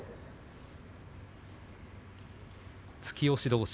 突き押しどうし。